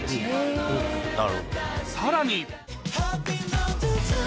さらに